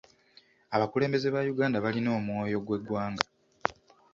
Abakulembeze ba Uganda balina omwoyo gw'eggwanga.